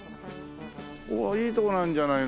うわっいいとこなんじゃないの。